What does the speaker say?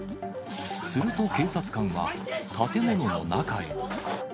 すると警察官は、建物の中へ。